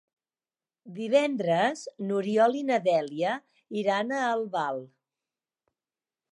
Divendres n'Oriol i na Dèlia iran a Albal.